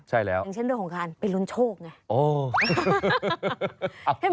อย่างเช่นเรื่องของคุณไปล้นโชคไง